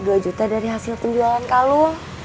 rp dua juta dari hasil penjualan kalung